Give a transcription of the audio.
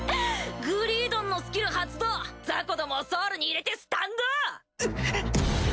グリードンのスキル発動ザコどもをソウルに入れてスタンド！